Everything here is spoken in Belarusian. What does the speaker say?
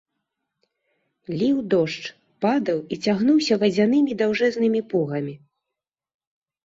Ліў дождж, падаў і цягнуўся вадзянымі даўжэзнымі пугамі.